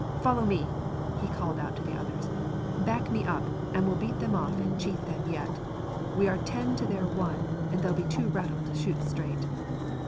"Follow me!" he called out to the others. "Back me up, and we will beat them off and cheat them yet. We are ten to their one, and they'll be too rattled to shoot straight."